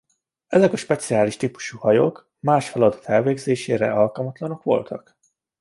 Ezek a speciális típusú hajók más feladat elvégzésére alkalmatlanok voltak.